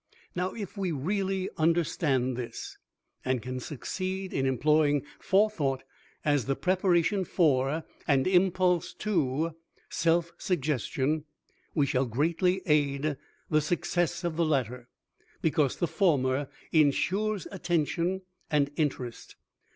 Now, if we really understand this and can succeed in employing Forethought as the preparation for, and impulse to, Self Suggestion, we shall greatly aid the success of the latter, because the former insures attention and interest.